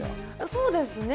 そうですね。